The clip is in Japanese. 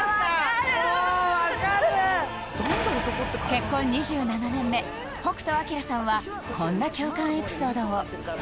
結婚２７年目北斗晶さんはこんな共感エピソードを